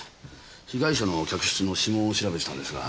被害者の客室の指紋を調べてたんですが。